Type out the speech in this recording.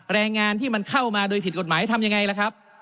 แรงงานที่มันเข้ามาโดยผิดกฎหมายทำยังไงล่ะครับ